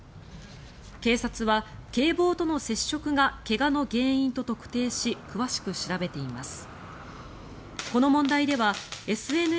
警察は、警棒との接触が怪我の原因と特定し詳しく調べています。